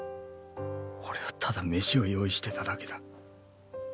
俺はただ飯を用意してただけだ。